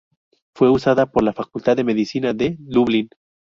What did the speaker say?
Fue usada por la facultad de medicina de Lublin.